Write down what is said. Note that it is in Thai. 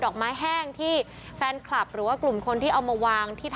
อกไม้แห้งที่แฟนคลับหรือว่ากลุ่มคนที่เอามาวางที่ท่อ